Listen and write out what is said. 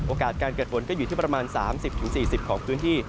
โอกาสการเกิดฝนก็อยู่ที่ประมาณ๓๐๔๐ของพื้นที่